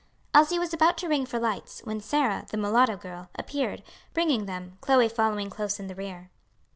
Elsie was about to ring for lights, when Sarah, the mulatto girl, appeared, bringing them, Chloe following close in the rear.